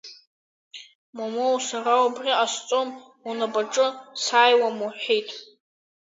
Моумоу, сара убри ҟасҵом, унапаҿы сааиуам, — лҳәеит.